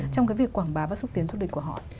trong việc quảng bá và xúc tiến xuất định của họ